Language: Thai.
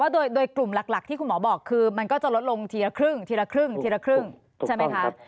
โดยกลุ่มหลักที่คุณหมอบอกคือมันจะลดลงทีละครึ่งใช่ไหมคะ